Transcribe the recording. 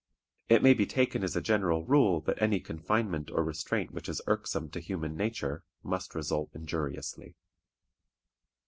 It may be taken as a general rule that any confinement or restraint which is irksome to human nature must result injuriously.